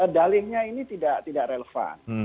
dalingnya ini tidak relevan